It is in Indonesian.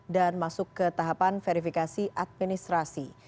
dan masuk ke tahapan verifikasi administrasi